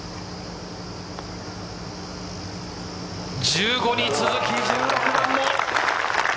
１５に続き１６番も。